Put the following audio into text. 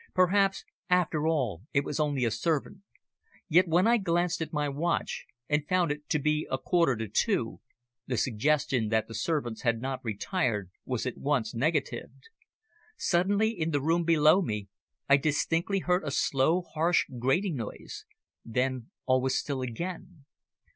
Perhaps, after all, it was only a servant! Yet, when I glanced at my watch, and found it to be a quarter to two, the suggestion that the servants had not retired was at once negatived. Suddenly, in the room below me, I distinctly heard a slow, harsh, grating noise. Then all was still again.